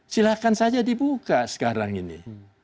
silahkan saja dibuka sekarang ini